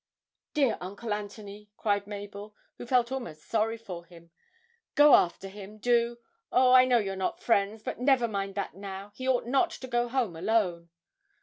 'Dear Uncle Antony,' cried Mabel, who felt almost sorry for him, 'go after him, do. Oh, I know you're not friends, but never mind that now he ought not to go home alone.'